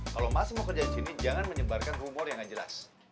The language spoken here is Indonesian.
kalau masih mau kerja di sini jangan menyebarkan rumor yang gak jelas